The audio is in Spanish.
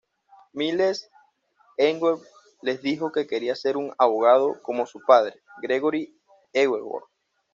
Miles Edgeworth les dijo que quería ser un abogado, como su padre, Gregory Edgeworth.